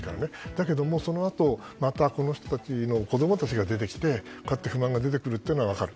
だけども、そのあとまたこの人たちの子供たちが出てきて不満が出てくるのは分かる。